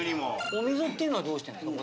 お水っていうのはどうしてんですか？